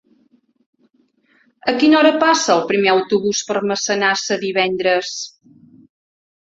A quina hora passa el primer autobús per Massanassa divendres?